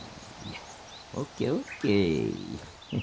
ＯＫＯＫ。